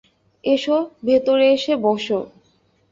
S, ভেতরে এসে বস।